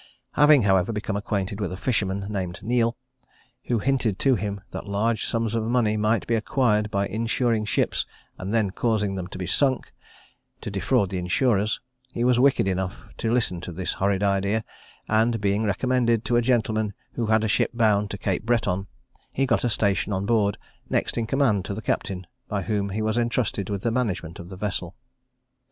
Having, however, become acquainted with a fisherman named Neale, who hinted to him that large sums of money might be acquired by insuring ships, and then causing them to be sunk, to defraud the insurers, he was wicked enough to listen to this horrid idea; and, being recommended to a gentleman who had a ship bound to Cape Breton, he got a station on board, next in command to the captain, by whom he was entrusted with the management of the vessel.